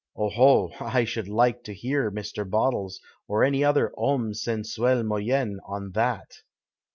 (Oho 1 I should like to hear Mr. Bottles or any other Jionime sensuel moyen on that